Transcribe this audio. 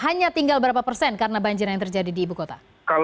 hanya tinggal berapa persen karena banjir yang terjadi di ibu kota